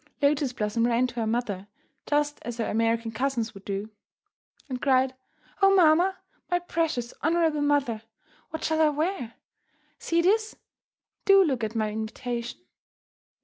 Lotus Blossom ran to her mother, just as her American cousins might do, and cried, "Oh, mamma, my precious, honourable mother, what shall I wear? See this; do look at my invitation."